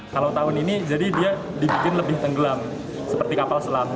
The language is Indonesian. kalau tahun ini jadi dia dibikin lebih tenggelam seperti kapal selam